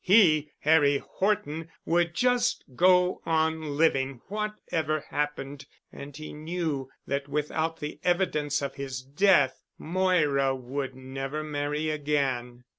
He, Harry Horton, would just go on living whatever happened, and he knew that without the evidence of his death, Moira would never marry again.